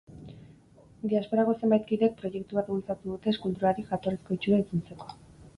Diasporako zenbait kidek proiektu bat bultzatu dute eskulturari jatorrizko itxura itzutzeko.